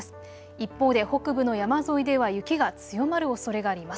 一方で北部の山沿いでは雪が強まるおそれがあります。